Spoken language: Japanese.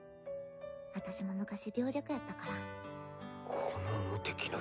私も昔病弱やったから。